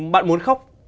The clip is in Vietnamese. bạn muốn khóc